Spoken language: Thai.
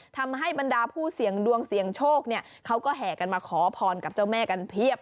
ทำให้บรรดาผู้เสี่ยงดวงเสี่ยงโชคเนี่ยเขาก็แห่กันมาขอพรกับเจ้าแม่กันเพียบ